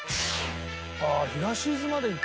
ああ東伊豆まで行った。